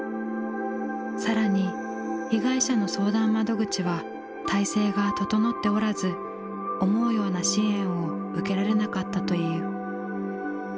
更に被害者の相談窓口は体制が整っておらず思うような支援を受けられなかったという。